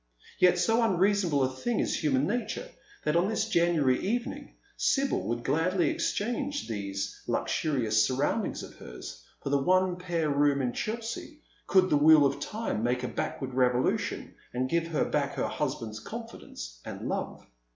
Yet so unreasonable a thing is human nature, that on this January evening Sibyl would gladly exchange these luxurious surround ings of hers for the one pair room in Chelsea, could the wheel of time make a backward revolution and give her back h';^r husband's confidence and love.